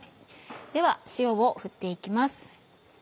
では塩を振って行きます。